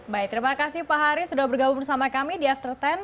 baik terima kasih pak haris sudah bergabung bersama kami di after sepuluh